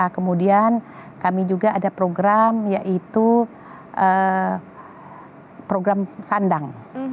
kemudian kami juga ada program yaitu program sandang